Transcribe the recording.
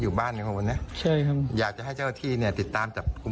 อยู่บ้านอยู่ข้างบนเนี้ยใช่ครับอยากจะให้เจ้าที่เนี้ยติดตามจาก